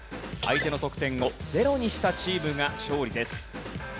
相手の得点をゼロにしたチームが勝利です。